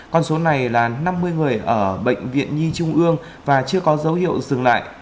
con số này là năm mươi người ở bệnh viện nhi trung ương và chưa có dấu hiệu dừng lại